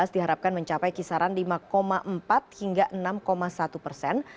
diharapkan mencapai kisaran lima empat hingga enam satu persen